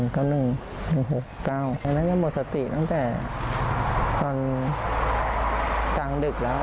แล้วมันหมดสติตั้งแต่ตอนจางดึกแล้ว